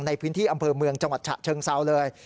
ในพื้นที่อำเภอเมืองจังหวัดฉะเชิงเซาเลย